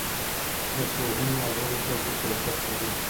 د پوهنې او لوړو زده کړو کیفیت لوړیږي.